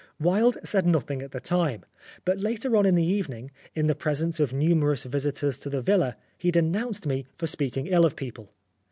Wilde said nothing at the time, but later on in the evening, in the presence of numerous visitors to the villa, he denounced me for speaking ill of people.